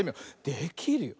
できるよ。